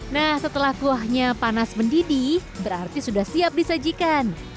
nah setelah kuahnya panas mendidih berarti sudah siap disajikan